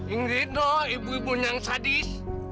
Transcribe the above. ingrid lo ibu ibu yang sadis